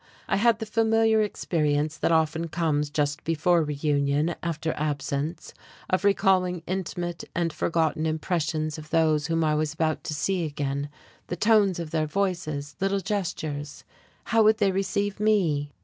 I had the familiar experience that often comes just before reunion after absence of recalling intimate and forgotten impressions of those whom I was about to see again the tones of their voices, little gestures.... How would they receive me?